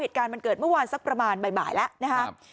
เหตุการณ์มันเกิดเมื่อวานสักประมาณบ่ายแล้วนะครับ